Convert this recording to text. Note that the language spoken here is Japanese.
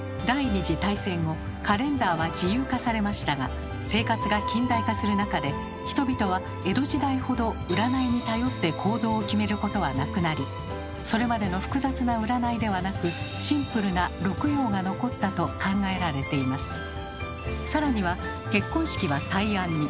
第２次大戦後カレンダーは自由化されましたが生活が近代化する中で人々は江戸時代ほど占いに頼って行動を決めることはなくなりそれまでの複雑な占いではなくシンプルな六曜が残ったと考えられています。